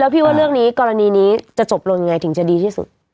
พี่ว่าเรื่องนี้กรณีนี้จะจบลงยังไงถึงจะดีที่สุด